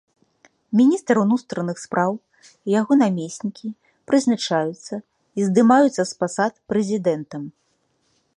Міністр унутраных спраў і яго намеснікі прызначаюцца і здымаюцца з пасад прэзідэнтам.